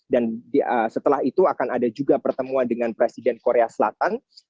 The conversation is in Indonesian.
dan setelah itu akan ada juga pertemuan dengan presiden korea selatan